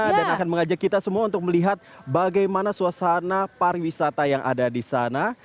dan akan mengajak kita semua untuk melihat bagaimana suasana pariwisata yang ada disana